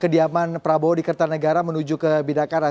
kediaman prabowo di kertanegara menuju ke bidakara